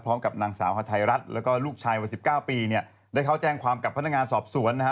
พร้อมกับนางสาวฮาไทยรัฐแล้วก็ลูกชายวัยสิบเก้าปีเนี่ยได้เข้าแจ้งความกับพนักงานสอบสวนนะฮะ